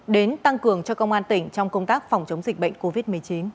đến tăng cường cho công an tỉnh trong công tác phòng chống dịch bệnh covid một mươi chín